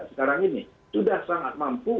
sekarang ini sudah sangat mampu